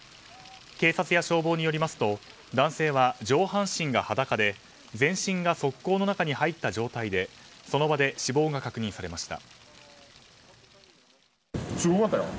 警察や消防によりますと男性は上半身が裸で全身が側溝の中に入った状態でその場で死亡が確認されました。